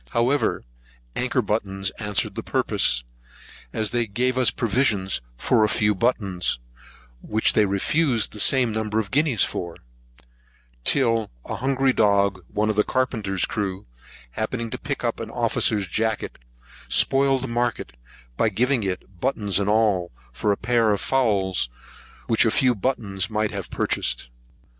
However, anchor buttons answered the purpose, as they gave us provision for a few buttons, which they refused the same number of guineas for; till a hungry dog, one of the carpenter's crew, happening to pick up an officer's jacket, spoiled the market, by giving it, buttons and all, for a pair of fowls, which a few buttons might have purchased.